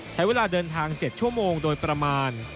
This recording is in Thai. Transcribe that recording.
ใช้เวลาเดินทาง๗ชั่วโมงโดยประมาณ